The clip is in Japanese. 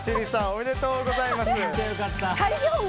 おめでとうございます。